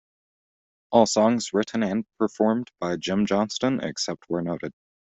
All songs written and performed by Jim Johnston, except where noted.